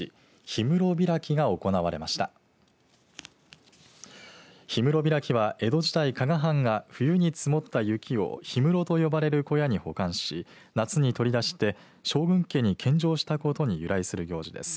氷室開きは江戸時代加賀藩が冬に積もった雪を氷室と呼ばれる小屋に保管し、夏に取り出して将軍家に献上したことに由来する行事です。